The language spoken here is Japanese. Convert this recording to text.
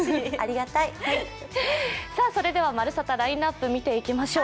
「まるサタ」ラインナップ見ていきましょう。